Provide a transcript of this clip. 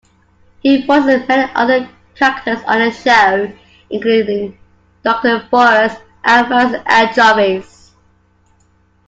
He voices many other characters on the show, including Doctor Forrest and various anchovies.